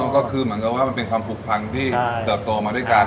ก็คือเหมือนกับว่ามันเป็นความผูกพันที่เติบโตมาด้วยกัน